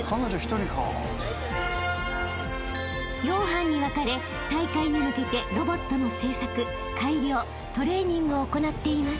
［４班に分かれ大会に向けてロボットの製作改良トレーニングを行っています］